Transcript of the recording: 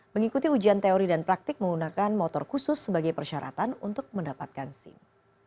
mengikuti ujian teori dan praktik menggunakan motor khusus sebagai persyaratan untuk mendapatkan sim